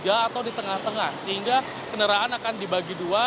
atau di tengah tengah sehingga kendaraan akan dibagi dua